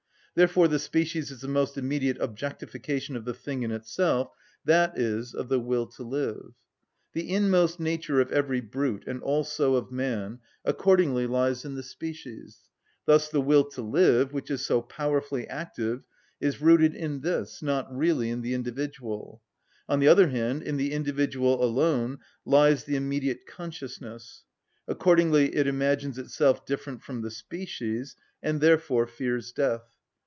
Therefore the species is the most immediate objectification of the thing in itself, i.e., of the will to live. The inmost nature of every brute, and also of man, accordingly lies in the species; thus the will to live, which is so powerfully active, is rooted in this, not really in the individual. On the other hand, in the individual alone lies the immediate consciousness: accordingly it imagines itself different from the species, and therefore fears death.